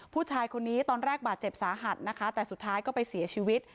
ผู้ชายคนนี้ตอนแรกบาดเจ็บสาหัสนะคะแต่สุดท้ายก็ไปเสียชีวิต